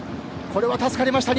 これは助かった！